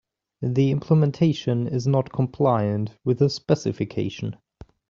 The implementation is not compliant with the specification.